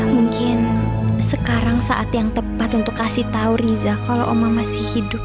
mungkin sekarang saat yang tepat untuk kasih tahu riza kalau oma masih hidup